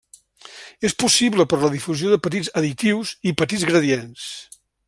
És possible per la difusió de petits additius i petits gradients.